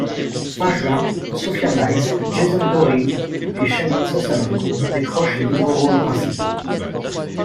Fin juin, Sophia Myles, Jason Dohring et Shannyn Sossamon décrochent les nouveaux rôles principaux.